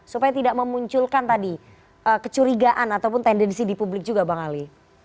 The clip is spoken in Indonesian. supaya tidak memunculkan tadi kecurigaan ataupun tendensi di publik juga bang ali